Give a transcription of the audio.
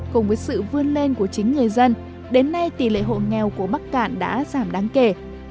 cùng với sự vươn lên của chính người dân đến nay tỷ lệ hộ nghèo của bắc cạn đã giảm đáng kể